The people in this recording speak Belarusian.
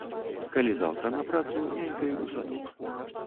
Калі заўтра на працу нянькай у садок.